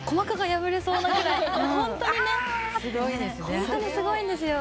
ホントにすごいんですよ。